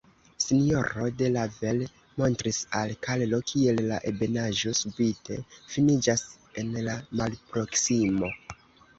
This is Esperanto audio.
Sinjororo de Lavel montris al Karlo, kiel la ebenaĵo subite finiĝas en la malproksimo.